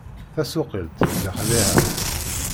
Tasuqilt d lexdiɛa.